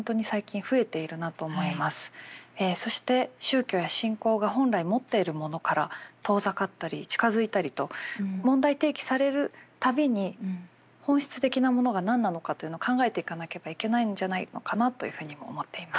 そして宗教や信仰が本来持っているものから遠ざかったり近づいたりと問題提起される度に本質的なものが何なのかというのを考えていかなければいけないんじゃないのかなというふうにも思っています。